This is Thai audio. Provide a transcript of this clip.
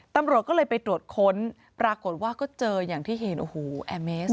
ตำรวจก็เลยไปตรวจค้นปรากฏว่าก็เจออย่างที่เห็นโอ้โหแอร์เมส